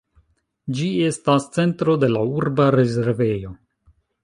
Ĝi estas centro de la urba rezervejo.